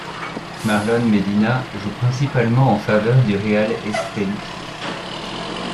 Marlon Medina joue principalement en faveur du Real Estelí.